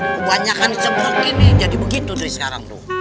bubanyakan di cembukin nih jadi begitu dari sekarang tuh